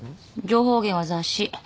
情報源は雑誌。